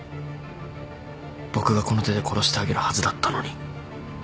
僕がこの手で殺してあげるはずだったのに。